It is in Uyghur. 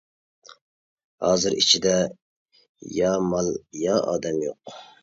ھازىر ئىچىدە يا مال، يا ئادەم يوق.